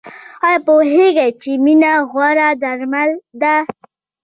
ایا پوهیږئ چې مینه غوره درمل ده؟